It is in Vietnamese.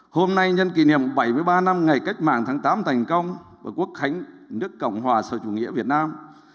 hôm nay nhân kỷ niệm bảy mươi ba năm ngày cách mạng tháng tám thành công và quốc khánh nước cộng hòa sau chủ nghĩa việt nam